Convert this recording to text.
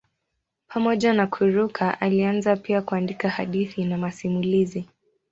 Pamoja na kuruka alianza pia kuandika hadithi na masimulizi.